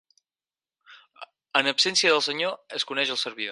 En absència del senyor es coneix el servidor.